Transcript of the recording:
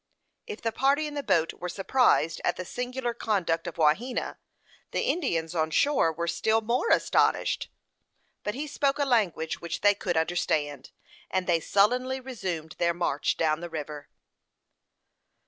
If the party in the boat were surprised at the singular conduct of Wahena, the Indians on shore were still more astonished; but he spoke a language which they could understand, and they sullenly resumed their march down the river.